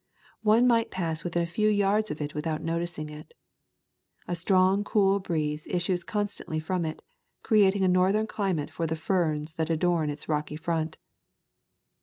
One might pass within a few yards of it without noticing it. A strong cool breeze issues constantly from it, creating a northern climate for the ferns that adorn its rocky front.